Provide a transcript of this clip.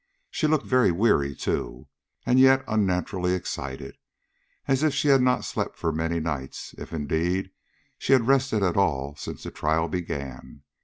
She looked very weary, too, and yet unnaturally excited, as if she had not slept for many nights, if indeed she had rested at all since the trial began.